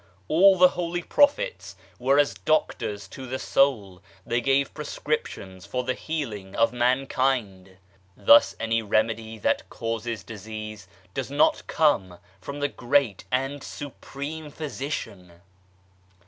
All the holy prophets were as doctors to the soul ; they gave prescrip tions for the healing of mankind ; thus any remedy that causes disease does not come from the great and supreme Physician.